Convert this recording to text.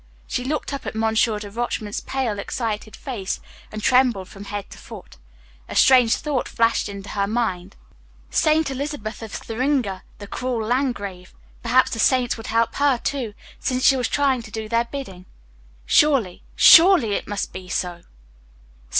She looked up at Monsieur de Rochemont's pale, excited face, and trembled from head to foot. A strange thought flashed into her mind. Saint Elizabeth, of Thuringia the cruel Landgrave. Perhaps the Saints would help her, too, since she was trying to do their bidding. Surely, surely it must be so!